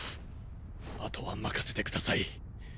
あとは任せてください！